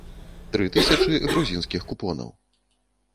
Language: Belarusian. Тры тысячы грузінскіх купонаў.